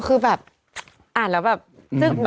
คือแบบอ่านแล้วแบบจึ๊บนะ